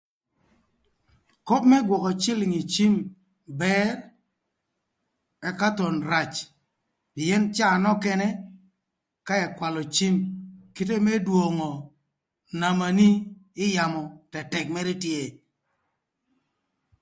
Köp më gwökö cïlïng ï cïm bër ëka thon rac, pïën caa nökënë ka ëkwalö cim, kite më dwongo namani ï yamö athamö tëtëk mërë tye.